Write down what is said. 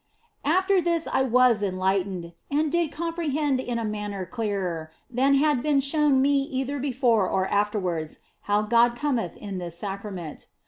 After this I was enlightened and did comprehend in a manner clearer than had been shown me either before or afterwards, how God cometh in this Sacrament.